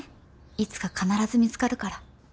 いつか必ず見つかるから。